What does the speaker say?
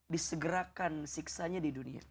disegerakan siksanya di dunia